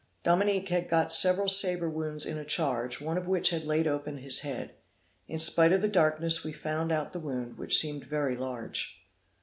Dominique had got several sabre wounds in a charge, one of which had laid open his head. In spite of the darkness we found out the wound, which seemed very large.